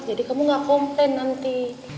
kamu gak komplain nanti